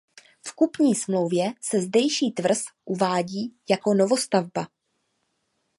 V kupní smlouvě se zdejší tvrz uvádí jako novostavba.